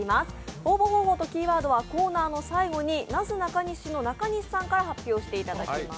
応募方法とキーワードはコーナーの最後になすなかにしの中西さんから発表していただきます。